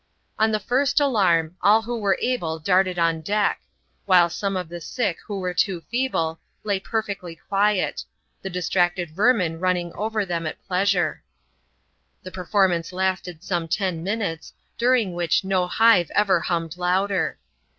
On the first alarm, all who were able darted on deck ; while some of the sick who were too feeble, lay perfectly quiet— > the distracted vermin running over them at pleasure. The per formance lasted some ten minutes, during which no hive ever hummed louder.